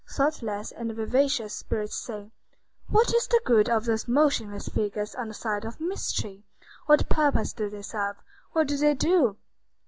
Thoughtless and vivacious spirits say:— "What is the good of those motionless figures on the side of mystery? What purpose do they serve? What do they do?"